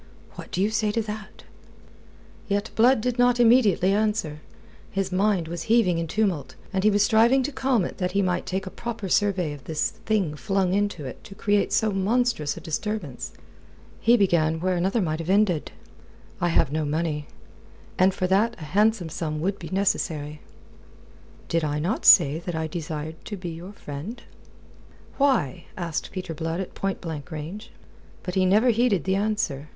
"What do you say to that?" Yet Blood did not immediately answer. His mind was heaving in tumult, and he was striving to calm it that he might take a proper survey of this thing flung into it to create so monstrous a disturbance. He began where another might have ended. "I have no money. And for that a handsome sum would be necessary." "Did I not say that I desired to be your friend?" "Why?" asked Peter Blood at point blank range. But he never heeded the answer.